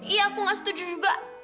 iya aku gak setuju juga